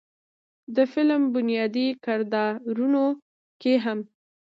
د فلم بنيادي کردارونو کښې هم